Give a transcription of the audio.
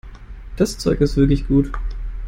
Das Zeug ist wirklich gut.